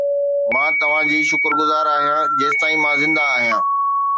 مان توهان جي شڪرگذار آهيان جيستائين مان زنده آهيان